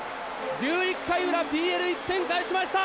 １１回裏ＰＬ１点返しました！